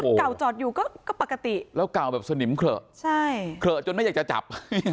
เก่าจอดอยู่ก็ปกติแล้วเก่าแบบสนิมเขละใช่เขละจนไม่อยากจะจับ